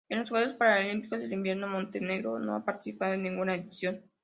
En los Juegos Paralímpicos de Invierno Montenegro no ha participado en ninguna edición.